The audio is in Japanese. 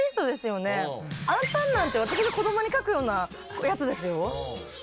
アンパンマンって私が子供に描くようなやつですよ。